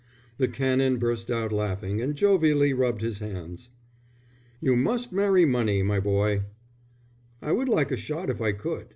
The Canon burst out laughing and jovially rubbed his hands. "You must marry money, my boy." "I would like a shot if I could.